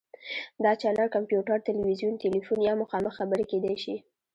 دا چینل کمپیوټر، تلویزیون، تیلیفون یا مخامخ خبرې کیدی شي.